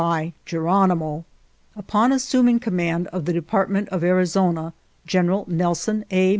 148 SURRENDER OF GERONIMO Upon assuming command of the Depart ment of Arizona, General Nelson A.